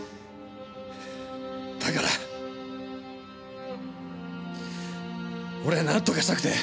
だから俺はなんとかしたくて。